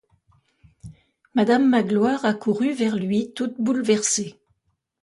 Madame Magloire accourut vers lui toute bouleversée.